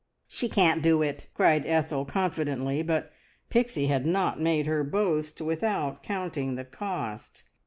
"She can't do it!" cried Ethel confidently; but Pixie had not made her boast without counting the cost.